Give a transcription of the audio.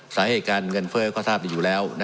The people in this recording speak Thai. สาเหตุการเงินเฟ้อก็ทราบดีอยู่แล้ว